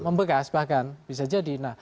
membekas bahkan bisa jadi